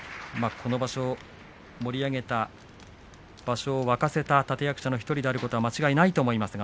この場所を盛り上げた場所を沸かせた立て役者の１人であることは間違いありません。